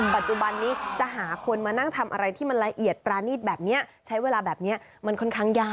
ปัจจุบันนี้จะหาคนมานั่งทำอะไรที่มันละเอียดปรานีตแบบนี้ใช้เวลาแบบนี้มันค่อนข้างยาก